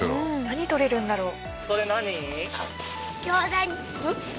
何採れるんだろう？